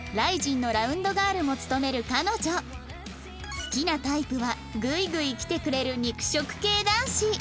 好きなタイプはグイグイきてくれる肉食系男子